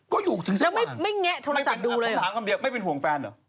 ก็อยู่ถึงสกวาง